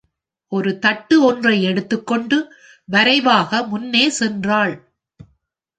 ஒரு தட்டு ஒன்றை எடுத்துக்கொண்டு வரைவாக முன்னே சென்றாள்.